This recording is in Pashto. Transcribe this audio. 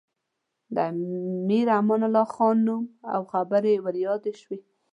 د امیر امان الله خان نوم او خبرې ور یادې شوې.